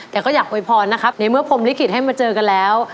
แต่ก็อยากโวยพรนะครับในเมื่อพรมลิขิตให้มาเจอกันแล้ว